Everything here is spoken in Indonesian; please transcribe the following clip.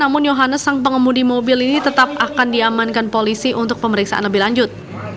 namun yohannes sang pengemudi mobil ini tetap akan diamankan polisi untuk pemeriksaan lebih lanjut